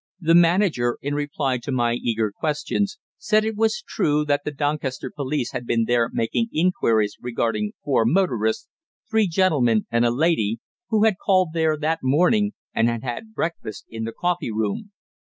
The manager, in reply to my eager questions, said it was true that the Doncaster police had been there making inquiries regarding four motorists three gentlemen and a lady who had called there that morning and had had breakfast in the coffee room.